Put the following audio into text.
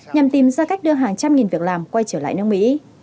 nhằm tìm ra cách đưa hàng trăm nghìn việc làm quay trở lại nước mỹ